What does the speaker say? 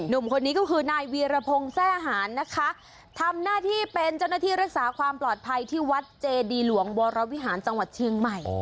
หนุ่มคนนี้ก็คือนายวีรพงศ์แทร่หารนะคะทำหน้าที่เป็นเจ้าหน้าที่รักษาความปลอดภัยที่วัดเจดีหลวงวรวิหารจังหวัดเชียงใหม่